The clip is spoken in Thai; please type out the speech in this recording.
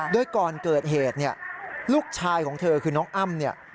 โดยก่อนเกิดเหตุลูกชายของเธอคือน้องอ้ำ